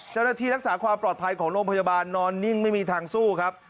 เจ้าหน้าที่รักษาความปลอดภัยของโรงพยาบาลนอนนิ่งไม่มีทางสู้ครับ